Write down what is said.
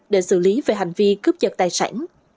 để xử lý về hành vi cướp giật tài sản